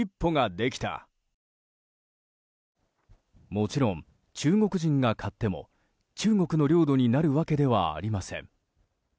もちろん、中国人が買っても中国の領土になるわけではありません。